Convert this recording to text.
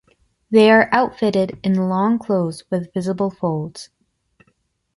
They are outfitted in long clothes with visible folds.